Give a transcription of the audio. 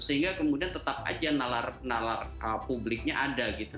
sehingga kemudian tetap aja nalar publiknya ada gitu